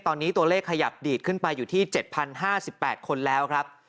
ตอนนี้ตัวเลขขยับดีดขึ้นไปอยู่ที่๗๐๕๘คนแล้วครับ